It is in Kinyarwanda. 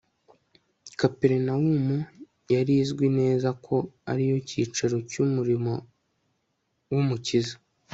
kaperinawumu yari izwi neza ko ari yo cyicaro cy'umurimo w'umukiza